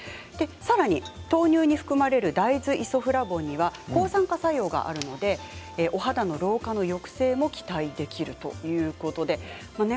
さらに豆乳に含まれる大豆イソフラボンには抗酸化作用があるのでお肌の老化の抑制も期待できるということです。